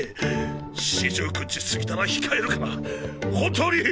四十九日過ぎたら控えるから本当に！